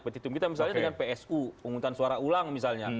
petitum kita misalnya dengan psu penghutang suara ulang misalnya